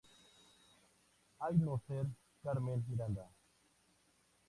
Hay no ser Carmen Miranda.